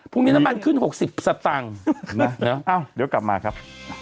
พรุ่งนี้น้ำมันขึ้น๖๐สัปดาห์อ้าวเดี๋ยวกลับมาครับ